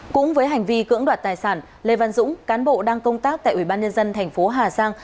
cũng với hành vi cưỡng đoạt tài sản lê văn dũng cán bộ đang công tác tại ubnd tp hà giang